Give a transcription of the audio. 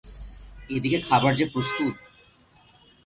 এ দিকে খাবার যে প্রস্তুত।